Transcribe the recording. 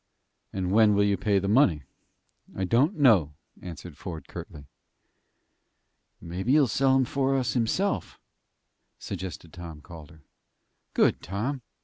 "And when will you pay the money?" "I don't know," answered Ford, curtly. "Maybe he'll sell 'em for us himself," suggested Tom Calder. "Good, Tom!